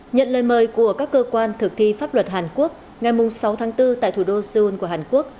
nhận lời mời của các cơ quan thực thi pháp luật hàn quốc ngày sáu tháng bốn tại thủ đô seoul của hàn quốc